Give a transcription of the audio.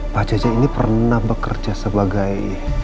pak cece ini pernah bekerja sebagai